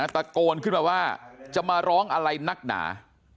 ตะโกนขึ้นมาว่าจะมาร้องอะไรนักหนา